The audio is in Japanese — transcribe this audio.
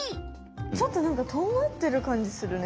ちょっとなんかとんがってるかんじするね。